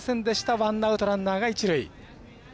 ワンアウト、ランナーが一塁。